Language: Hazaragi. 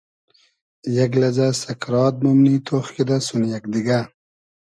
یئگ لئزۂ سئکرات مومنی تۉخ کیدۂ سون یئگ دیگۂ